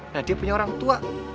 dia punya orang tua